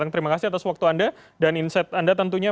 terima kasih atas waktu anda dan insight anda tentunya